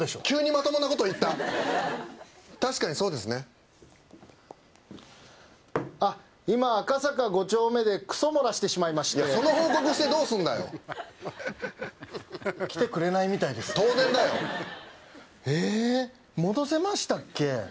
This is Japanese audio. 急にまともなこと言った確かにそうですねあっ今赤坂５丁目でクソもらしてしまいましてその報告してどうすんだよ来てくれないみたいです当然だよええっ戻せましたっけ？